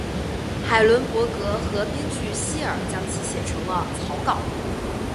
海伦伯格和编剧希尔将其写成了草稿。